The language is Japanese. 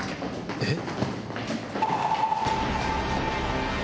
えっ？